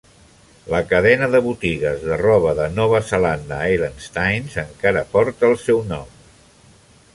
La cadena de botigues de roba de Nova Zelanda, Hallensteins, encara porta el seu nom.